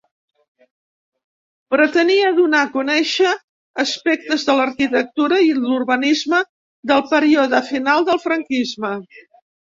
Pretenia donar a conèixer aspectes de l'arquitectura i l'urbanisme del període final del franquisme.